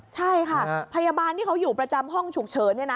ใช่ค่ะพยาบาลที่เขาอยู่ประจำห้องฉุกเฉิน